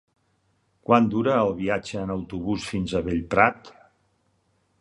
Quant dura el viatge en autobús fins a Bellprat?